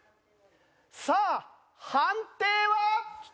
さあ判定は。